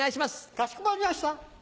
かしこまりました。